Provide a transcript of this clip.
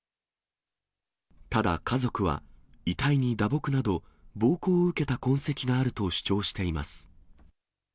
ただ家族は、遺体に打撲など、暴行を受けた痕跡があると主張しています。